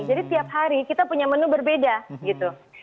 jadi tiap hari kita punya menu berbeda gitu